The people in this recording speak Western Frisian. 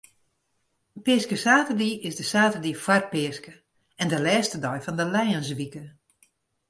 Peaskesaterdei is de saterdei foar Peaske en de lêste dei fan de lijenswike.